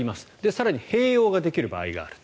更に併用ができる場合がある。